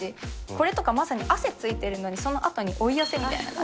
これとかまさに汗ついてるのに、そのあとに追い汗が、みたいな。